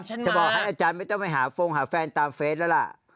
จะบอกให้อาจารย์ไม่ต้องไปหาฟงหาแฟนตามเฟสแล้วล่ะ